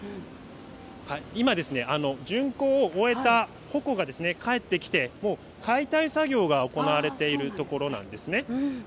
今、巡行を終えた鉾が帰ってきて、もう、解体作業が行われているところなんですね。